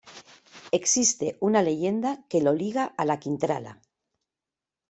Existe una leyenda que lo liga a La Quintrala.